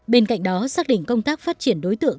bên cạnh đó xác định công tác phát triển đối tượng